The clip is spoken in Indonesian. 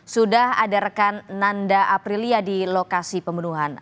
sudah ada rekan nanda aprilia di lokasi pembunuhan